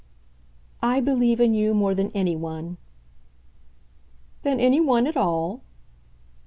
"I believe in you more than any one." "Than any one at all?"